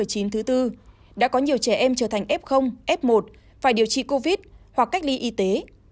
covid một mươi chín thứ tư đã có nhiều trẻ em trở thành f f một phải điều trị covid hoặc cách ly y tế